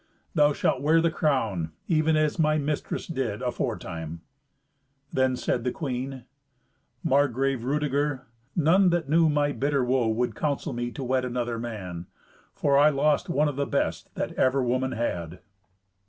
Thou shalt wear the crown, even as my mistress did aforetime." Then said the queen, "Margrave Rudeger, none that knew my bitter woe would counsel me to wed another man, for I lost one of the best that ever woman had."